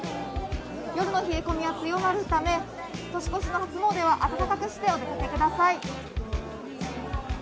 夜の冷え込みは強まるため年越しの初詣は暖かくしてお過ごしください。